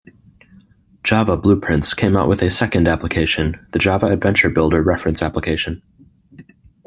Java BluePrints came out with a second application: the Java Adventure Builder reference application.